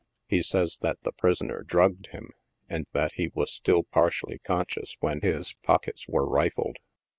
He says that the prisoner drugged him, and that he was still partially conscious when his pockets were rifled.